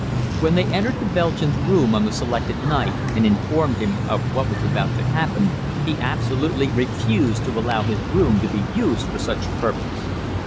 When they entered the Belgian's room on the selected night and informed him of what was about to happen, he absolutely refused to allow his room to be used for such a purpose.